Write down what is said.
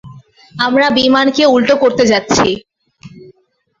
আমরা বিমানকে উল্টো করতে যাচ্ছি।